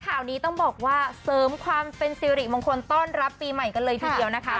ข่าวนี้ต้องบอกว่าเสริมความเป็นสิริมงคลต้อนรับปีใหม่กันเลยทีเดียวนะคะ